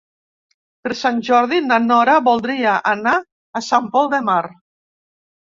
Per Sant Jordi na Nora voldria anar a Sant Pol de Mar.